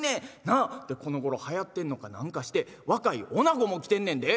なあ。でこのごろはやってんのか何かして若いおなごも来てんねんで」。